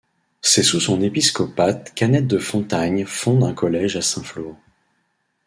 C'est sous son épiscopat qu'Annet de Fontagnes fonde un collège à Saint-Flour.